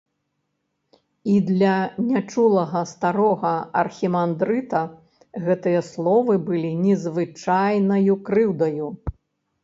І для нячулага старога архімандрыта гэтыя словы былі незвычайнаю крыўдаю.